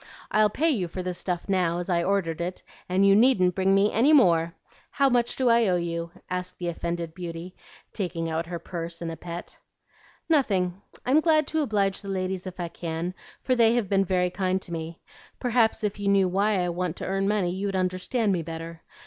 I'll pay you for this stuff now, as I ordered it, and you needn't bring me any more. How much do I owe you?" asked the offended beauty, taking out her purse in a pet. "Nothing. I'm glad to oblige the ladies if I can, for they have been very kind to me. Perhaps if you knew why I want to earn money, you'd understand me better.